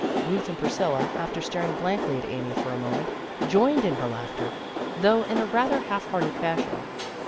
Ruth and Priscilla, after staring blankly at Amy for a moment, joined in her laughter, though in a rather half hearted fashion.